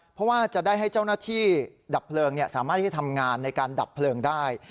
เพราะว่าจะได้ให้เจ้าหน้าที่ดับเพลิงสามารถที่ทำงานในการดับเพลิงได้